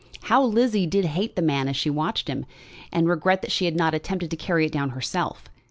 How Lizzie did hate the man as she watched him, and regret that she had not attempted to carry it down herself.